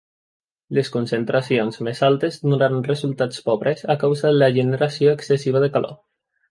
Les concentracions més altes donaran resultats pobres a causa de la generació excessiva de calor.